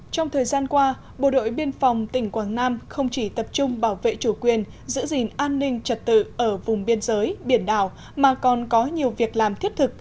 trong thời gian qua bộ đội biên phòng tỉnh quảng nam không chỉ tập trung bảo vệ chủ quyền giữ gìn an ninh trật tự ở vùng biên giới biển đảo mà còn có nhiều việc làm thiết thực